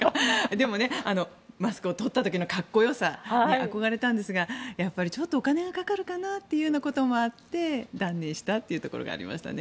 でも、マスクを取った時のかっこよさに憧れたんですがやっぱりちょっとお金がかかるかなということもあって断念したというところがありましたね。